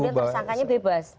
kemudian tersangkanya bebas